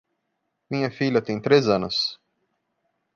Minha filha tem três anos.